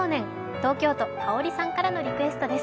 東京都・かおりさんからのリクエストです。